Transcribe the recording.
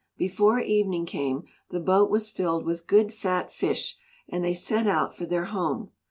Before evening came the boat was filled with good fat fish and they set out for their home.